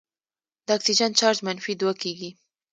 د اکسیجن چارج منفي دوه کیږي.